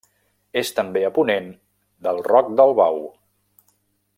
És també a ponent del Roc del Bau.